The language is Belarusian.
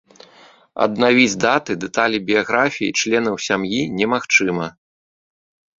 Аднавіць даты, дэталі біяграфіі, членаў сям'і немагчыма.